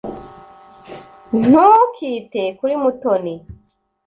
Ntukite kuri Mutoni.